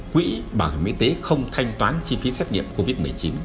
quỹ bảo hiểm y tế không thanh toán chi phí xét nghiệm covid một mươi chín